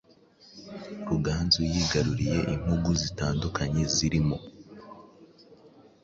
Ruganzu yigaruriye impungu zitandukanye zirimo;